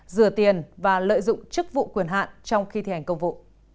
rửa tiền và lợi dụng chức vụ quyền hạn trong khi thi hành công vụ